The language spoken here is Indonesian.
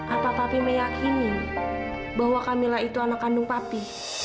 apa papi meyakini bahwa kamila itu anak kandung papi